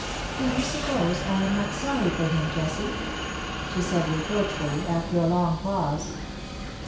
" Do you suppose I am not sorry for him, Jessie ?" she said reproachfully, after a long pause.